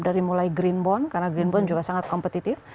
dari mulai green bond karena greenbon juga sangat kompetitif